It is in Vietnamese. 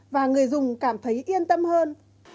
và người dùng cảm thấy yên tâm hơn